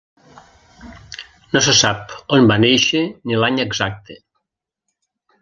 No se sap on va néixer ni l'any exacte.